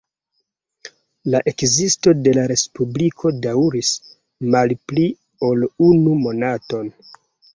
La ekzisto de la respubliko daŭris malpli ol unu monaton.